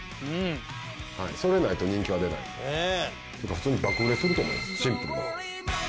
普通に爆売れすると思いますシンプルに。